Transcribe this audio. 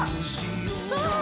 そう！